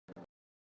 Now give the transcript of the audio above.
aldah contradata dan